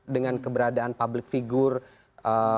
dengan keberadaan public figure